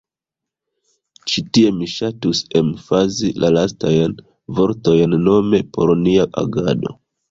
Ĉi tie mi ŝatus emfazi la lastajn vortojn, nome “por nia agado”.